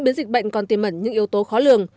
bến dịch bệnh còn tiêm ẩn những yếu tố khó lường